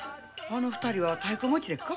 あの二人は太鼓持ちですか？